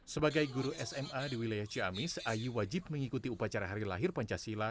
sebagai guru sma di wilayah ciamis ayu wajib mengikuti upacara hari lahir pancasila